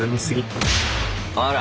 あら。